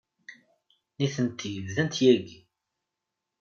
Nitenti bdant yagi.